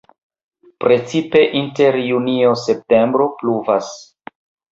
Precipe inter junio-septembro pluvas.